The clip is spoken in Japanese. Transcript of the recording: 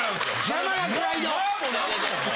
邪魔なプライド！